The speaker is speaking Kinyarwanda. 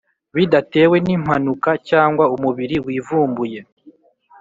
Bidatewe n’impanuka cyangwa umubiri wivumbuye